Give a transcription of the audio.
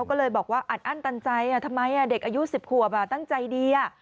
ก็เลยบอกว่าอัดอั้นตันใจทำไมเด็กอายุ๑๐ขวบตั้งใจดี